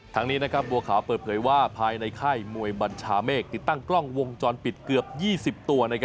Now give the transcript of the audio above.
ทางนี้บัวขาวเปิดเผยว่าภายในค่ายมวยบัญชาเมฆติดตั้งกล้องวงจรปิดเกือบ๒๐ตัว